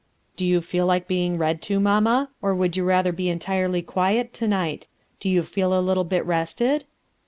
« Do you feel like being read to, mamma, or would you rather be entirely quiet to night? Do you feel a little bit rested?"